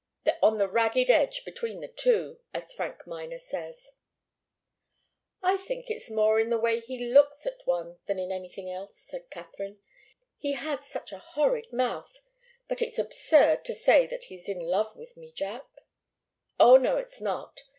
They're on the ragged edge between the two, as Frank Miner says." "I think it's more in the way he looks at one than in anything else," said Katharine. "He has such a horrid mouth! But it's absurd to say that he's in love with me, Jack." "Oh, no, it's not!